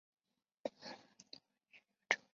与其相反的是多语主义。